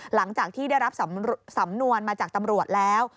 หลังจากที่ได้รับสำนวนมาจากตำรวจแล้ว